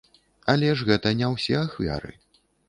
Але ж гэта не ўсе ахвяры.